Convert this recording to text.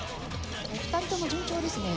お二人とも順調ですね。